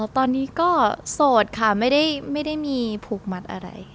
ตอนนี้ก็โสดค่ะไม่ได้มีผูกมัดอะไร